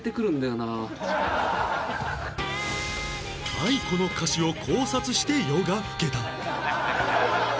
ａｉｋｏ の歌詞を考察して夜が更けた